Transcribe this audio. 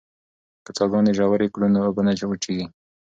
که څاګانې ژورې کړو نو اوبه نه وچېږي.